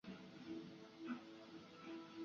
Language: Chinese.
它们是柏拉图立体的四维类比。